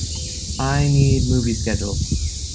I need movie schedules